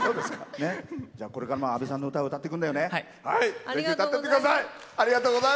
これからも阿部さんの歌歌っていくんだよね。